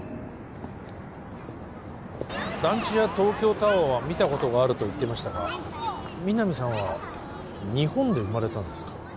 団地や東京タワーは見たことがあると言ってましたが皆実さんは日本で生まれたんですか？